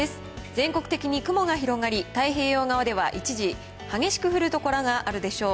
全国的に雲が広がり、太平洋側では一時激しく降る所があるでしょう。